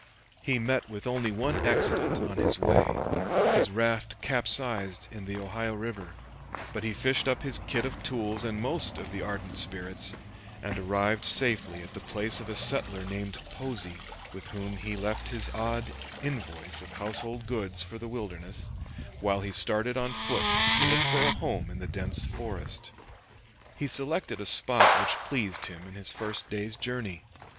He met with only one accident on his way: his raft capsized in the Ohio River, but he fished up his kit of tools and most of the ardent spirits, and arrived safely at the place of a settler named Posey, with whom he left his odd invoice of household goods for the wilderness, while he started on foot to look for a home in the dense forest. He selected a spot which pleased him in his first day's journey.